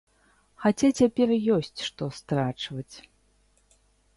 Хаця цяпер ёсць што страчваць.